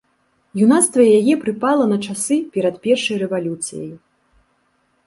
Юнацтва яе прыпала на часы перад першай рэвалюцыяй.